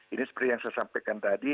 ini seperti yang saya sampaikan tadi